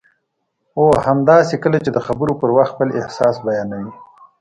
او همداسې کله چې د خبرو پر وخت خپل احساس بیانوي